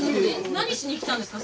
何しに来たんですか？